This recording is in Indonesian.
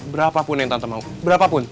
berapapun yang tante mau berapapun